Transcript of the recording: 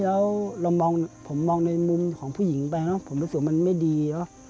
แล้วผมมองในมุมของผู้หญิงไปผมรู้สึกว่ามันไม่ดี